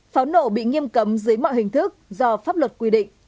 pháo nổ bị nghiêm cấm dưới mọi hình thức do pháp luật quy định